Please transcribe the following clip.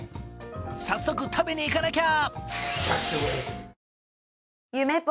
早速食べに行かなきゃ！